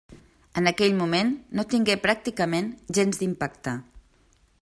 En aquell moment no tingué pràcticament gens d'impacte.